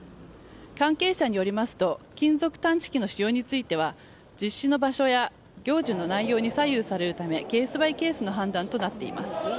関係者によりますと金属探知機の使用については実施の場所や行事の内容に左右されるためケースバイケースの判断となっています。